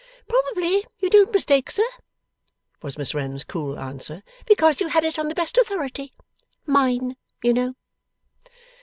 'Probably you don't mistake, sir,' was Miss Wren's cool answer; 'because you had it on the best authority. Mine, you know.